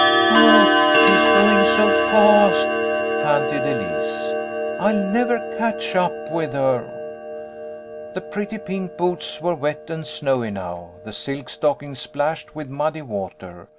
"Oh, she is going so fast!" panted Elise. "I'll never catch up with her !" The pretty pink boots were wet and snowy now, the silk stockings splashed with muddy water.